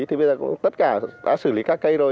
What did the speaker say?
thì bây giờ tất cả đã xử lý các cây rồi